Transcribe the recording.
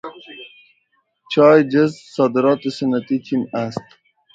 چای جزو صادرات سنتی چین است.